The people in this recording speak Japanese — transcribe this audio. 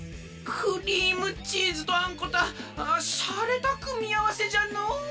クリームチーズとあんこたああしゃれたくみあわせじゃの。